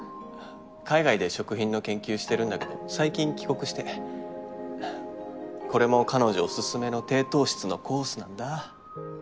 海外で食品の研究してるんだけど最近帰国してこれも彼女オススメの低糖質のコースなんだ